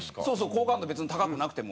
好感度別に高くなくても。